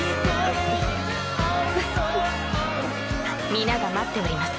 ・皆が待っております。